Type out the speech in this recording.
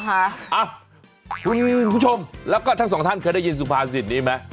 เอ้าคุณผู้ชมแล้วก็ทั้งสองท่านเคยได้ยินสุภาษิตนี้ไหม